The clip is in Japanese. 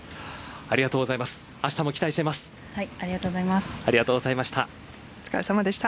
ありがとうございます。